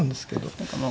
何かまあ